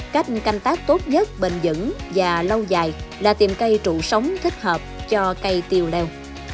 cách canh tác tốt nhất bền dững và lâu dài là tìm cây trụ sống thích hợp cho cây tiêu leo